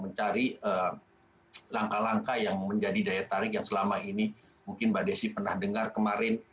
mencari langkah langkah yang menjadi daya tarik yang selama ini mungkin mbak desi pernah dengar kemarin